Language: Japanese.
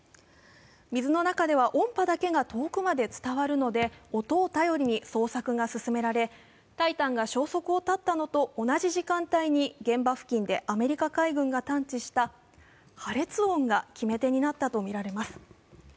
水の中では音波だけが遠くまで伝わるので、音を頼りに捜索が進められ、「タイタン」が消息を絶ったのと同じ時間帯に現場付近でアメリカ海軍が探知した破裂音が決め手になったとみられます。